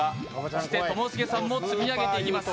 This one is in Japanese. ともしげさんも積み上げていきます。